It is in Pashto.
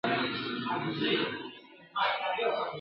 رابللي یې څو ښځي له دباندي ..